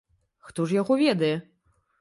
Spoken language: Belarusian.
Хто ж яго ведае?